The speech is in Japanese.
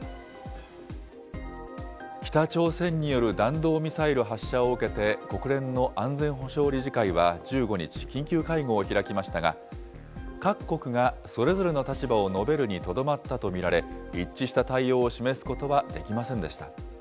北朝鮮による弾道ミサイル発射を受けて、国連の安全保障理事会は１５日、緊急会合を開きましたが、各国がそれぞれの立場を述べるにとどまったと見られ、一致した対応を示すことはできませんでした。